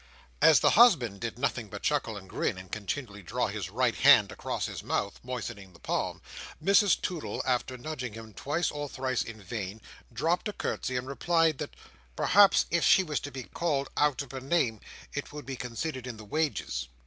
As the husband did nothing but chuckle and grin, and continually draw his right hand across his mouth, moistening the palm, Mrs Toodle, after nudging him twice or thrice in vain, dropped a curtsey and replied "that perhaps if she was to be called out of her name, it would be considered in the wages."